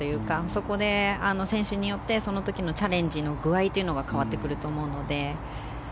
そこで選手によってその時のチャレンジの具合が変わってくると思うので。